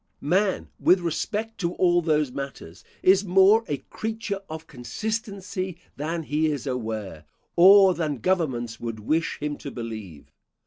Man, with respect to all those matters, is more a creature of consistency than he is aware, or than governments would wish him to believe.